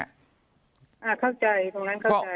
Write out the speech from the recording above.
เข้าใจตรงนั้นเข้าใจ